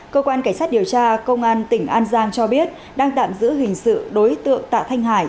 cơ quan cảnh sát điều tra công an tỉnh an giang cho biết đang tạm giữ hình sự đối tượng tạ thanh hải